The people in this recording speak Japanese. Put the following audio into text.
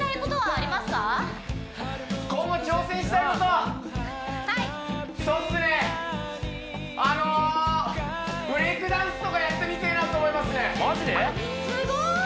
あのブレイクダンスとかやってみてえなと思いますねすごい！